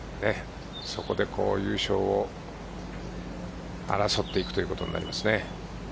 そこで優勝を争っていくということになります。